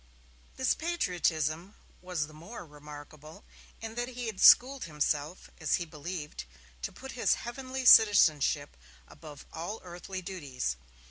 This patriotism was the more remarkable, in that he had schooled himself, as he believed, to put his 'heavenly citizenship' above all earthly duties.